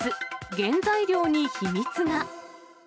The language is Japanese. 原材料に秘密が。